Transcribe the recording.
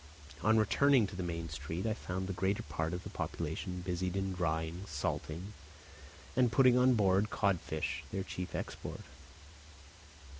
On returning to the main street I found the greater part of the population busied in drying, salting, and putting on board codfish, their chief export.